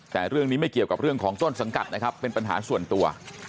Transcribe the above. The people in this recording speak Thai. แต่เรื่องนี้ไม่เกี่ยวกับเรื่องของต้นสังกัดนะครับเป็นปัญหาส่วนตัว